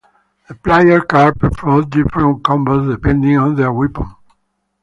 The player can perform different combos depending on their weapon.